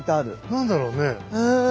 何だろうね。